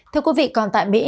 thưa quý vị còn tại mỹ